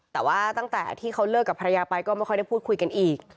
แต่ว่าตั้งแต่ที่เขาเลิกกับภรรยาไปก็ไม่ค่อยได้พูดคุยกันอีก